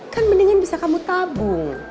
kan mendingan bisa kamu tabung